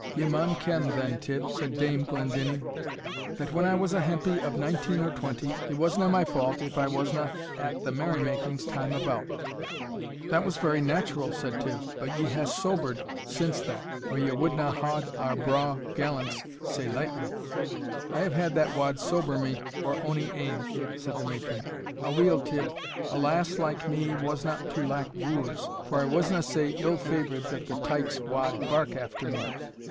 "Ye maun ken, then, Tibb," said Dame Glendinning, "that when I was a hempie of nineteen or twenty, it wasna my fault if I wasna at a' the merry makings time about." "That was very natural," said Tibb; "but ye hae sobered since that, or ye wadna haud our braw gallants sae lightly." "I have had that wad sober me or ony ane," said the matron, "Aweel, Tibb, a lass like me wasna to lack wooers, for I wasna sae ill favoured that the tikes wad bark after me."